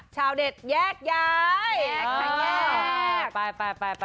ชาวเน็ตแยกย้าย